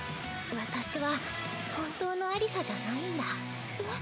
私は本当のアリサじゃないんだ。